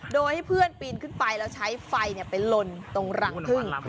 โดยให้เพื่อนปีนขึ้นไปแล้วใช้ไฟไปลนตรงรังพึ่ง